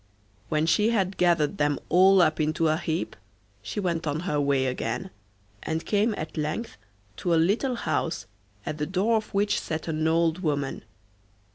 When she had gathered them all up into a heap she went on her way again, and came at length to a little house, at the door of which sat an old woman.